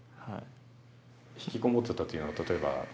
引きこもってたというのは例えば。